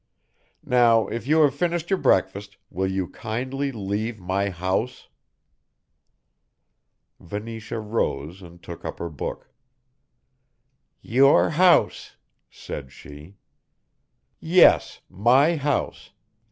Now, if you have finished your breakfast, will you kindly leave my house?" Venetia rose and took up her book. "Your house," said she. "Yes, my house.